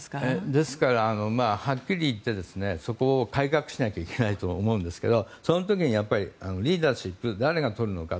ですから、はっきり言ってそこを改革しないといけないと思うんですけどその時にリーダーシップを誰がとるのか。